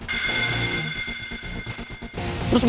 terus mau lo apa